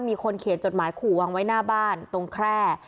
มีคนเขียนจดหมายขู่วางไว้หน้าบ้านตรงแคร่